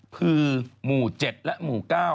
คือหมู่๗และหมู่๙